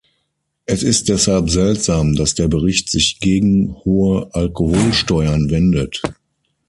Es ist deshalb seltsam, dass der Bericht sich gegen hohe Alkoholsteuern wendet.